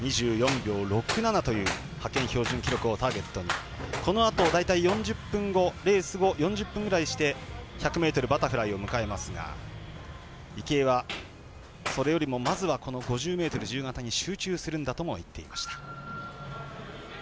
２４秒６７という派遣標準記録をターゲットにこのあと大体４０分後レース後４０分ぐらいして１００ｍバタフライを迎えますが池江はそれよりもまずは、この５０ｍ自由形に集中するんだとも言っていました。